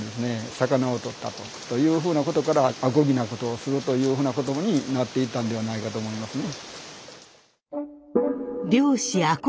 魚をとったと。というふうなことから「あこぎなことをする」というふうな言葉になっていったんではないかと思いますね。